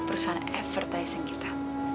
perusahaan advertising kita